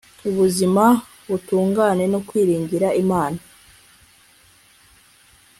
ubuzima butunganye no kwiringira Imana